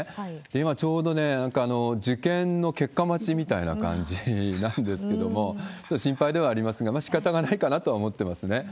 今、ちょうどね、なんか受験の結果待ちみたいな感じなんですけれども、ちょっと心配ではありますが、しかたがないかなとは思ってますね。